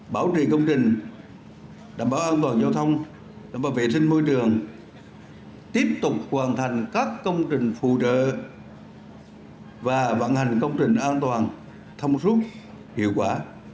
bảo trì công trình đảm bảo an toàn giao thông đảm bảo vệ sinh môi trường tiếp tục hoàn thành các công trình phụ trợ và vận hành công trình an toàn thông suốt hiệu quả